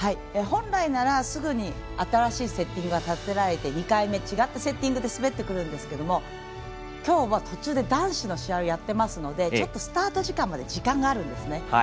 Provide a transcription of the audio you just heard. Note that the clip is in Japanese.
本来ならすぐに新しいセッティングが立てられて２回目違ったセッティングで滑ってくるんですが今日も、途中で男子の試合をやってますのでちょっとスタートまで時間があるんですね。